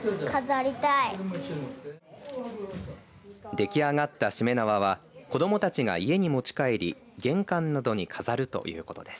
出来上がった、しめ縄は子どもたちが家に持ち帰り玄関などに飾るということです。